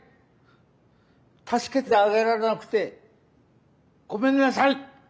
助けてあげられなくてごめんなさい」。